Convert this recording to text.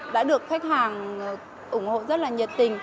đã được khách hàng ủng hộ rất là nhiệt tình